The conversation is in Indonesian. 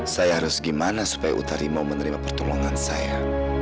saya harus gimana supaya utari mau menerima pertolongan saya